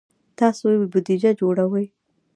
تاسو بودیجه جوړوئ؟